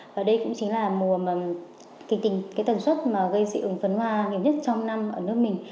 và đây cũng chính là mùa tình tình tần suất gây dị ứng phấn hoa nhiều nhất trong năm ở nước mình